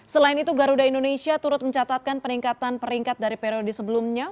selain itu garuda indonesia turut mencatatkan peningkatan peringkat dari periode sebelumnya